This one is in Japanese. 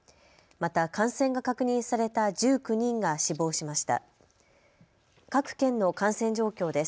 また感染が確認された１９人が死亡しました。